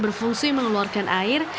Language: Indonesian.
berfungsi mengeluarkan air